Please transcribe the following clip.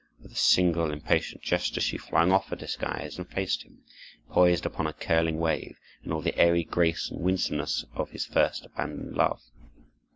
With a single impatient gesture she flung off her disguise and faced him, poised upon a curling wave, in all the airy grace and winsomeness of his first abandoned love.